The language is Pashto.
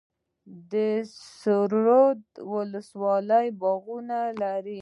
د سره رود ولسوالۍ باغونه لري